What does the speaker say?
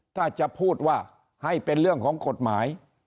ถ้าจะพูดว่าให้เป็นเรื่องของกฎหมาย